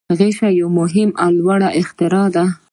غشی یو ډیر مهم او لوی اختراع و.